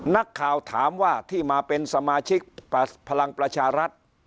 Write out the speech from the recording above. นักข่าวถามว่าที่มาเป็นสมาชิกพลังประชารัฐ